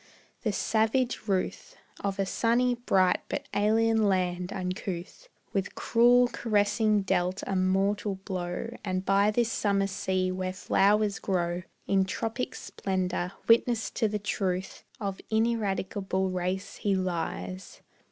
The savage ruth Of a sunny, bright, but alien land, uncouth With cruel caressing dealt a mortal blow, And by this summer sea where flowers grow In tropic splendor, witness to the truth Of ineradicable race he lies.